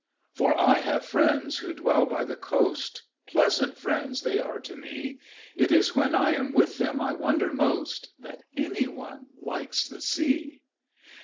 For I have friends who dwell by the coast— Pleasant friends they are to me! It is when I am with them I wonder most That anyone likes the Sea.